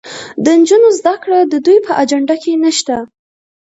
د نجونو زدهکړه د دوی په اجنډا کې نشته.